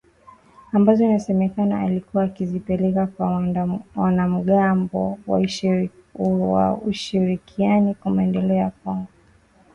Ambazo inasemekana alikuwa akizipeleka kwa wanamgambo wa Ushirikiani kwa Maendeleo ya kongo katika mkoa wa Kobu.